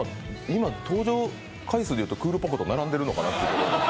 今、登場回数でいうとクールポコと並んでるのかな。